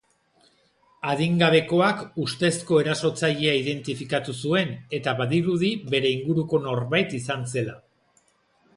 Adingabekoak ustezko erasotzailea identifikatu zuen, eta badirudi bere inguruko norbait izan zela.